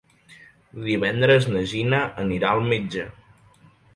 Divendres na Gina anirà al metge.